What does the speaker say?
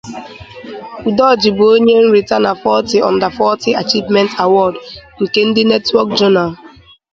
Udoji bụ onye nrita na Forty Under Forty Achievement Award nke ndi Network Journal.